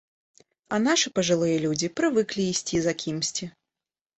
А нашы пажылыя людзі прывыклі ісці за кімсьці.